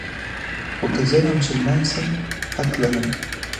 خو که زه نامسلمان شم حق لرم.